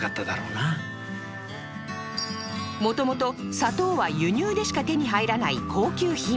もともと砂糖は輸入でしか手に入らない高級品。